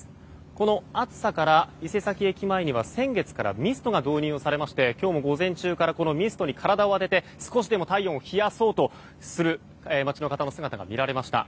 この暑さから伊勢崎駅前には先月からミストが導入され今日も午前中からミストに体を当てて少しでも体温を冷やそうとする街の方の姿が見られました。